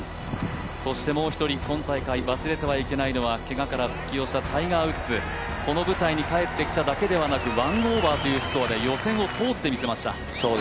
そしてもう一人今大会忘れてはいけないのはけがから復帰をしたタイガー・ウッズこの舞台に帰ってきただけではなく１オーバーというスコアで予選を通ってみせました。